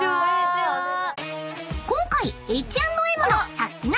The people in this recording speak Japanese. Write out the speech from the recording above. ［今回Ｈ＆Ｍのサスティな！